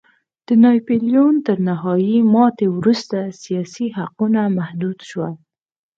د ناپلیون تر نهايي ماتې وروسته سیاسي حقونه محدود شول.